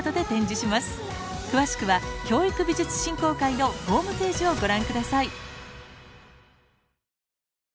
詳しくは教育美術振興会のホームページをご覧下さい。